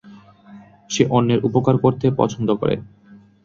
সে অন্যের উপকার করতে পছন্দ করে।